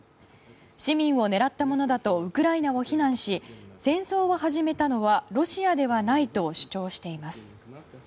市民を狙ったものだとウクライナを非難し戦争を始めたのはロシアではないと主張しています。